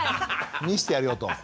見してやるよと。